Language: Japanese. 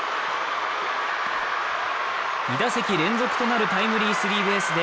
２打席連続となるタイムリースリーベースで